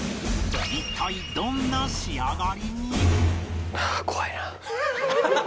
一体どんな仕上がりに？